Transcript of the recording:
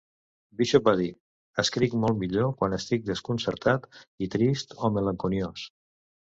Bishop va dir: escric molt millor quan estic desconcertat i trist o malenconiós.